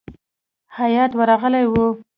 هیات ورغلی وو.